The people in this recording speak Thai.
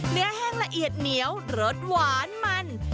แห้งละเอียดเหนียวรสหวานมัน